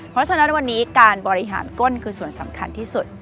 เพราะฉะนั้นวันนี้การบริหารก้นคือส่วนสำคัญที่สุด